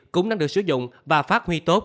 cũng đang được sử dụng và phát huy tốt